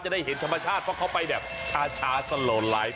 ได้เห็นธรรมชาติเพราะเขาไปแบบชาสโลไลท์